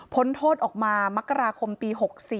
พ้นโทษออกมามคปี๖๔